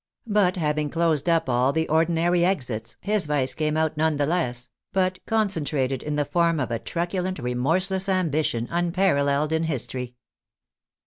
But having closed up all the ordi nary exits, his vice came out none the less, but concen trated in the form of a truculent, remorseless ambition, unparalleled in history.